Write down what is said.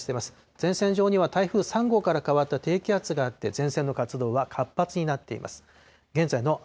前線上には台風３号から変わった低気圧があって、前線の活動は活発になっています。